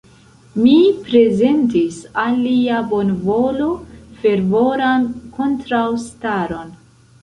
Mi prezentis al lia bonvolo fervoran kontraŭstaron.